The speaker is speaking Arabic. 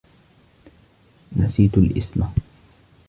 نسيت الإسم.